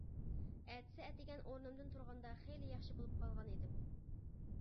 ئەتىسى ئەتىگەن ئورنۇمدىن تۇرغاندا خېلى ياخشى بولۇپ قالغان ئىدىم.